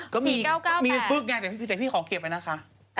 ก็มีปึ๊กไงแต่พี่ขอเก็บไว้นะคะ